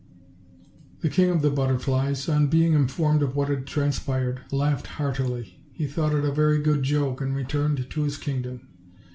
The King of the Butterflies, on being informed of what had transpired, laughed heartily; he thought it a very good joke, and returned to his kingdom.